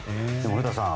古田さん